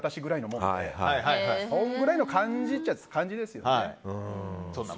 そのくらいの感じっちゃ感じですね。